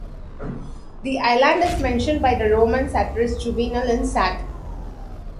The island is mentioned by the Roman satirist, Juvenal, in Sat.